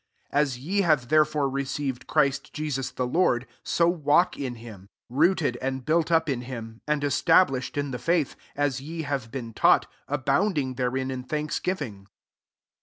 6 As ye have therefore received Christ JesUs the Lord, so walk in him; 7 rooted and built up in him, and established in the faith, as ye have been taught, abounding [therein J in thanks giving.